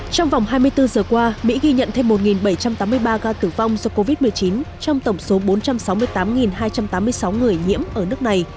trong vòng hai mươi bốn giờ qua mỹ ghi nhận thêm một bảy trăm tám mươi ba ca tử vong do covid một mươi chín trong tổng số bốn trăm sáu mươi tám hai trăm tám mươi sáu người nhiễm ở nước này